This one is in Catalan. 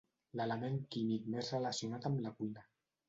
L'element químic més relacionat amb la cuina.